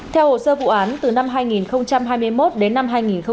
theo hồ sơ vụ án từ năm hai nghìn hai mươi một đến năm hai nghìn hai mươi hai